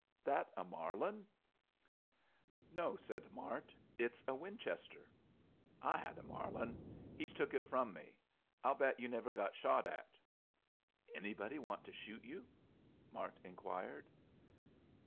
That a Marlin?" "No," said Mart. "It's a Winchester." "I had a Marlin. He's took it from me. I'll bet you never got shot at." "Anybody want to shoot you?" Mart inquired.